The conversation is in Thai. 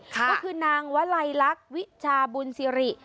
ก็คือนางวลัยลักษณ์วิชาบุญสิริ